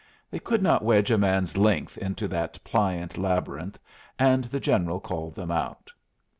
They could not wedge a man's length into that pliant labyrinth, and the General called them out.